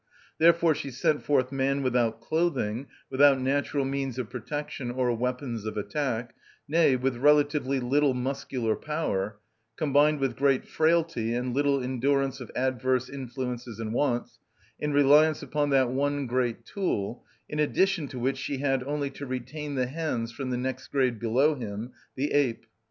Therefore she sent forth man without clothing, without natural means of protection or weapons of attack, nay, with relatively little muscular power, combined with great frailty and little endurance of adverse influences and wants, in reliance upon that one great tool, in addition to which she had only to retain the hands from the next grade below him, the ape.